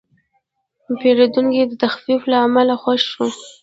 پیرودونکی د تخفیف له امله خوښ شو.